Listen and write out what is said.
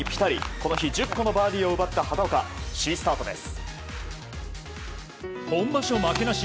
この日１０個のバーディーを奪った畑岡首位スタートです。